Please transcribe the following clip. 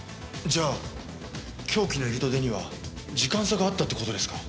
じゃあ凶器の入りと出には時間差があったって事ですか？